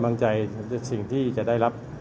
สวัสดีครับ